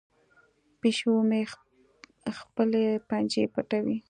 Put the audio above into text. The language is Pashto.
پیشو مې خپلې پنجې پټوي.